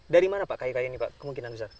dari mana pak kayu kayu ini kemungkinan besar